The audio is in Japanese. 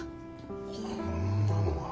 こんなのが。